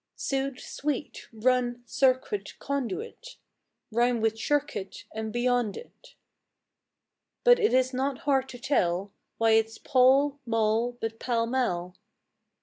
Suit, suite, run, circuit, conduit Rime with "shirk it" and "beyond it", But it is not hard to tell, Why it's pall, mall, but Pall Mall.